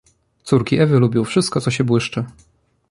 "Córki Ewy lubią wszystko co się błyszczy."